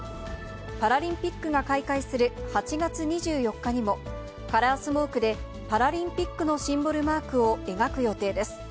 パラリンピックが開会する８月２４日にも、カラースモークでパラリンピックのシンボルマークを描く予定です。